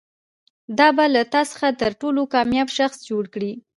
دا به له تا څخه تر ټولو کامیاب شخص جوړ کړي.